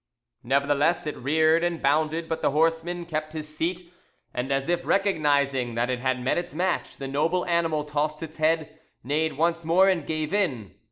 Nevertheless, it reared and bounded, but the horseman kept his seat, and as if recognising that it had met its match, the noble animal tossed its head, neighed once more, and gave in.